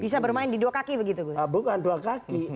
bisa bermain di dua kaki begitu bukan dua kaki